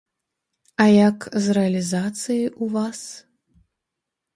А як з рэалізацыяй у вас?